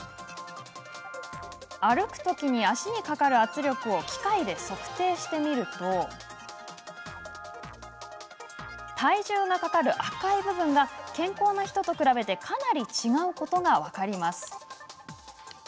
歩くときに足に力がかかる圧力を機械で測定してみると体重がかかる赤い部分が健康な人と比べてかなり違うことが分かります。